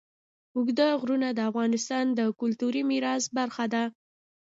اوږده غرونه د افغانستان د کلتوري میراث برخه ده.